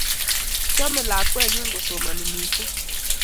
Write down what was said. Chamei lakwennyu kosomani missing'